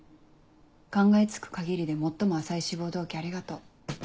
考えつく限りで最も浅い志望動機ありがとう。